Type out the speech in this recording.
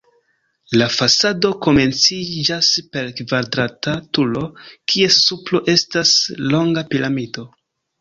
La fasado komenciĝas per kvadrata turo, kies supro estas longa piramido.